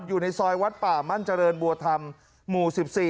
อยู่ในซอยวัดป่ามั่นเจริญบัวธรรมหมู่๑๔